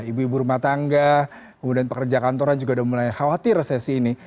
ibu ibu rumah tangga kemudian pekerja kantoran juga mulai khawatir resesi ini